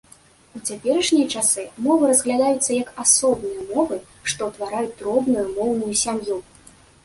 У цяперашнія часы мовы разглядаюцца як асобныя мовы, што ўтвараюць дробную моўную сям'ю.